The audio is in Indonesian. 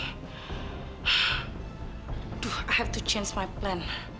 aduh aku harus ganti rencana